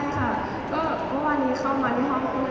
แต่วันนี้เข้ามาในห้องเขาเลย